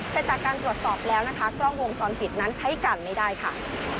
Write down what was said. แต่จากการตรวจสอบแล้วนะคะกล้องวงจรปิดนั้นใช้กันไม่ได้ค่ะ